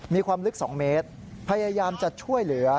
มีความลึก๒เมตรพยายามจะช่วยเหลือ